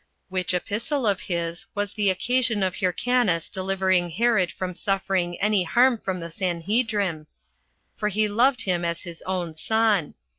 Which epistle of his was the occasion of Hyrcanus delivering Herod from suffering any harm from the Sanhedrim, for he loved him as his own son.